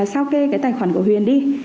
sao kê cái tài khoản của huyền đi